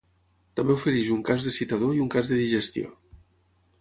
També ofereix un cas de citador i un cas de digestió.